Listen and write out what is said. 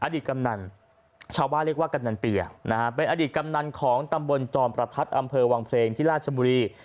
กำนันชาวบ้านเรียกว่ากำนันเปียนะฮะเป็นอดีตกำนันของตำบลจอมประทัดอำเภอวังเพลงที่ราชบุรี